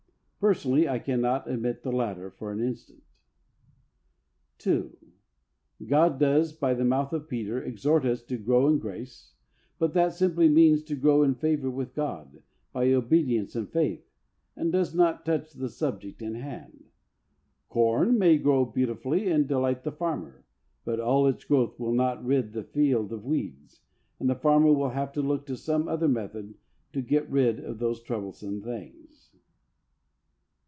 Personally, I cannot admit the latter for an instant. 2. God does, by the mouth of Peter, exhort us to grow in grace, but that simply means to grow in favour with God, by obedience and faith, and does not touch the subject in hand. Corn may grow beautifully and delight the farmer, but all its growth will not rid the field of weeds, and the farmer will have to look to some other method to get rid of those troublesome things.